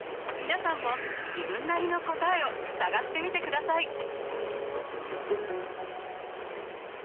皆さんも自分なりの答えを探してみてください。